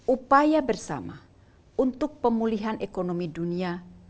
upaya bersama untuk pemulihan ekonomi dunia